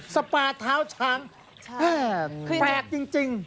สปาเท้าช้างแปลกจริง